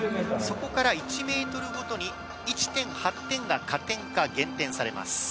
そこから１ｍごとに、１．８点が加点か減点されます。